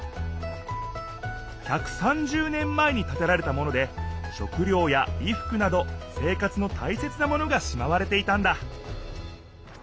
１３０年前に建てられたもので食りょうやいふくなど生活のたいせつなものがしまわれていたんだ